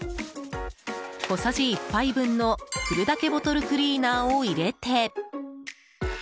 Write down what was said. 小さじ１杯分のふるだけボトルクリーナーを入れて。